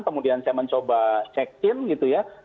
kemudian saya mencoba check in gitu ya